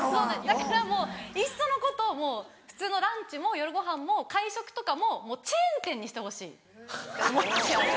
だからもういっそのこと普通のランチも夜ごはんも会食とかもチェーン店にしてほしいって思っちゃう。